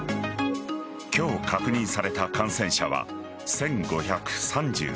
今日確認された感染者は１５３３人。